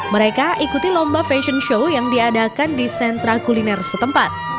mereka ikuti lomba fashion show yang diadakan di sentra kuliner setempat